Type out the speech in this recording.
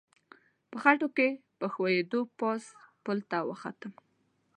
په خټو کې په ښویېدو پاس پل ته وختم.